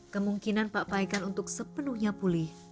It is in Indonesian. kemungkinan pak paikan untuk sepenuhnya pulih